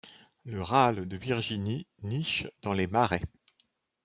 Le râle de Virginie niche dans les marais.